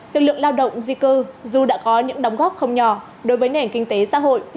lực lượng lao động di cư dù đã có những đóng góp không nhỏ đối với nền kinh tế xã hội